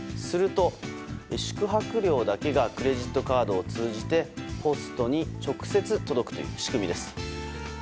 すると、宿泊料だけがクレジットカードを通じてホストに直接届くという仕組みです。